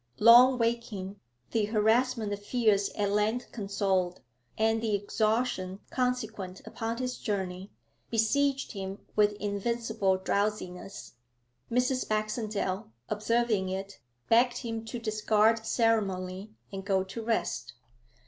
Long waking, the harassment of fears at length consoled, and the exhaustion consequent upon his journey, besieged him with invincible drowsiness. Mrs. Baxendale, observing it, begged him to discard ceremony and go to rest.